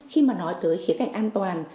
khi mà nói tới khía cạnh an toàn